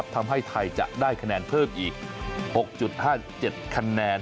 ทำให้ไทยจะได้คะแนนเพิ่มอีก๖๕๗คะแนน